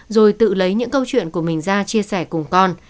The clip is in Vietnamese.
rồi tự lấy những câu chuyện của mình ra chia sẻ cùng con